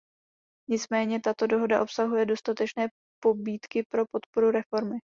Nicméně tato dohoda obsahuje dostatečné pobídky pro podporu reformy.